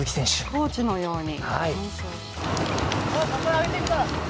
コーチのように。